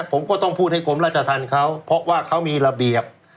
ผมก็ต้องพูดให้กรมราชธรรมเขาเพราะว่าเขามีระเบียบ